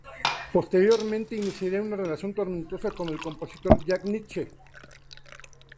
Posteriormente iniciaría una relación tormentosa con el compositor Jack Nitzsche.